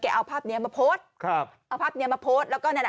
เกะเอาภาพนี้มาพวดแล้วก็เจ็บข้อความ